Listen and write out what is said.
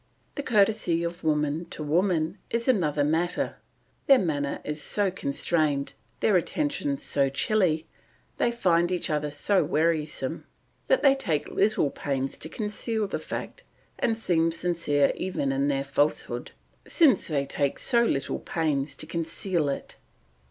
The courtesy of woman to woman is another matter; their manner is so constrained, their attentions so chilly, they find each other so wearisome, that they take little pains to conceal the fact, and seem sincere even in their falsehood, since they take so little pains to conceal it.